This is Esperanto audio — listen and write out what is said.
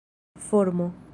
formo